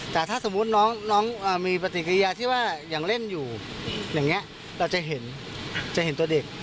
แต่ถ้าสมมุติน้องมีปฏิกิริยาที่ว่ายังเล่นอยู่อย่างนี้เราจะเห็นจะเห็นตัวเด็ก